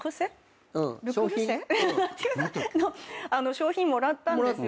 商品もらったんですよ。